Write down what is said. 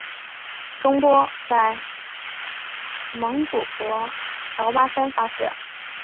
中波在蒙古国乔巴山发射。